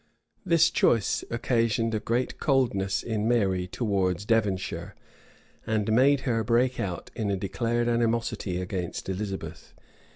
This choice occasioned a great coldness in Mary towards Devonshire; and made her break out in a declared animosity against Elizabeth.